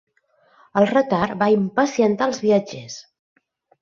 El retard va impacientar els viatgers.